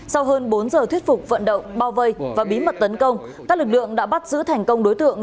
sau hơn bốn giờ thuyết phục vận động bao vây và bí mật tấn công các lực lượng đã bắt giữ thành công đối tượng